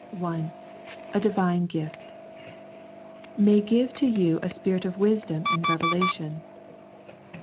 (i) A Divine Gift. " May give to you a spirit of wisdom and revelation."